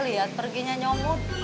liat perginya nyomut